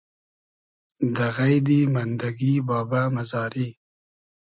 دۂ غݷدی مئندئگی بابۂ مئزاری